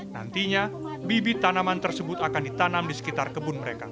nantinya bibit tanaman tersebut akan ditanam di sekitar kebun mereka